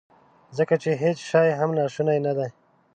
ځکه چې هیڅ شی هم ناشونی ندی.